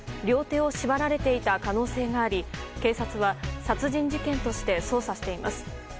両手を縛られていた可能性があり警察は殺人事件として捜査しています。